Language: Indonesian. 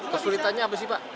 kesulitannya apa sih pak